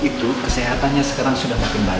ibu kedai mbak murni